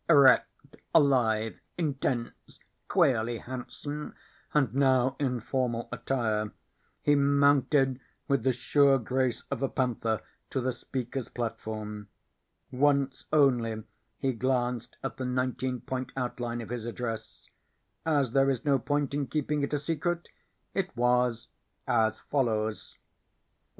Erect, alive, intense, queerly handsome, and now in formal attire, he mounted with the sure grace of a panther to the speaker's platform. Once only he glanced at the nineteen point outline of his address. As there is no point in keeping it a secret, it was as follows: 1.